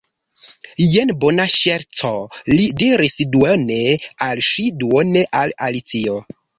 "Jen bona ŝerco," li diris, duone al si, duone al Alicio.